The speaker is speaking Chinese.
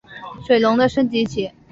水龙的升级棋。